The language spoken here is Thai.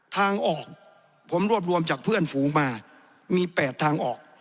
ทางออกผมรวบรวมจากเพื่อนฝูงมามี๘ทางออก